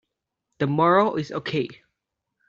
The moral is okay.